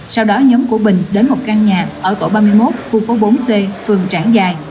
sau đó nhóm của bình đến một căn nhà ở tổ ba mươi một khu phố bốn c phường trảng dài